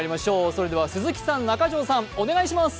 それでは鈴木さん、中条さん、お願いします。